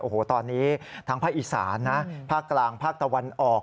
โอ้โหตอนนี้ทั้งภาคอีสานนะภาคกลางภาคตะวันออก